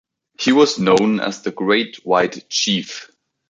He was known as the "Great White Chief".